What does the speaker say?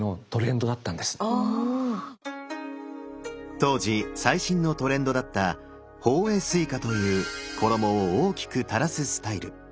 当時最新のトレンドだった「法衣垂下」という衣を大きく垂らすスタイル。